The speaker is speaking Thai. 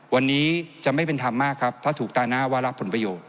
วันนี้จะไม่เป็นธรรมมากครับถ้าถูกตาหน้าว่ารับผลประโยชน์